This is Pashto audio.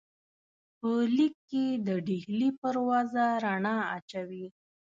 په لیک کې د ډهلي پر وضع رڼا اچوي.